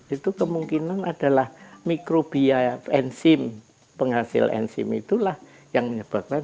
itu kemungkinan adalah mikrobia enzim penghasil enzim itulah yang menyebabkan